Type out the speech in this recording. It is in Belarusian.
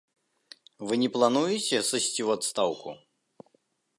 Вы не плануеце сысці ў адстаўку?